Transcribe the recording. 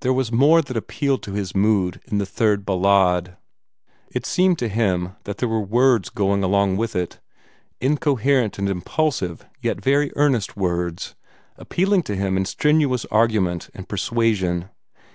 There was more that appealed to his mood in the Third Ballade. It seemed to him that there were words going along with it incoherent and impulsive yet very earnest words, appealing to him in strenuous argument and persuasion.